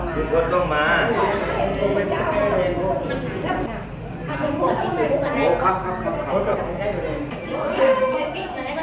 พระทรมานทุกท่อนต้องมา